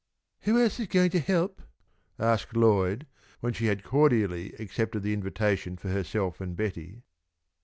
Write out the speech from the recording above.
"Who else is going to help?" asked Lloyd, when she had cordially accepted the invitation for herself and Betty.